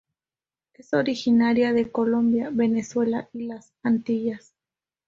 Es originaria de Colombia, Venezuela y las Antillas.